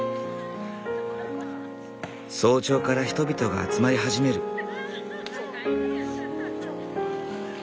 早朝から人々が集まり始める。